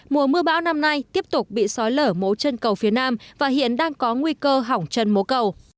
mùa mưa bão năm nay tiếp tục bị sói lở mố chân cầu phía nam và hiện đang có nguy cơ hỏng chân mố cầu